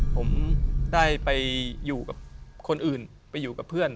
ผมได้ไปอยู่กับคนอื่นไปอยู่กับเพื่อน